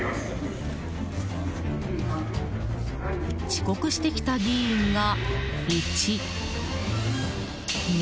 遅刻してきた議員が。